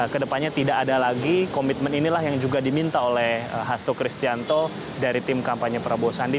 kedepannya tidak ada lagi komitmen inilah yang juga diminta oleh hasto kristianto dari tim kampanye prabowo sandi